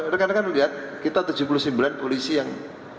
rekan rekan melihat kita tujuh puluh sembilan polisi yang